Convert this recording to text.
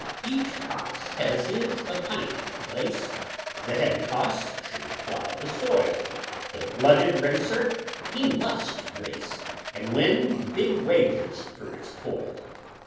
Each hoss has his appinted place, The heavy hoss should plow the soil; The blooded racer, he must race, And win big wages fer his toil.